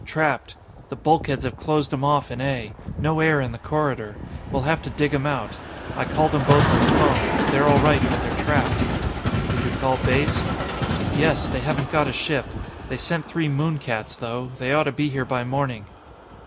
"Trapped. The bulkheads have closed 'em off in A. No air in the corridor. We'll have to dig 'em out. I called 'em both on the phone. They're all right, but they're trapped." "Did you call Base?" "Yes. They haven't got a ship. They sent three moon cats, though. They ought to be here by morning."